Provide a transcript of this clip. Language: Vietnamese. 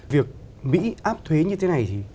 việc mỹ áp thuế như thế này thì